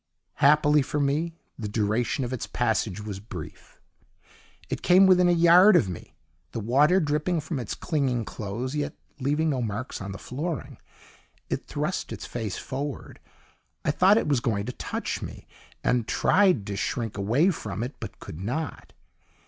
Happily for me, the duration of its passage was brief. It came within a yard of me, the water dripping from its clinging clothes, yet leaving no marks on the flooring. It thrust its face forward; I thought it was going to touch me, and tried to shrink away from it, but could not.